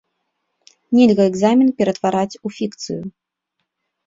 Нельга экзамен ператвараць у фікцыю!